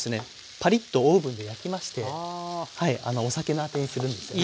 パリッとオーブンで焼きましてお酒のあてにするんですよね。